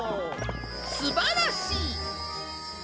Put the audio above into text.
すばらしい！